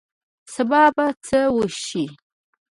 سبا به څه وشي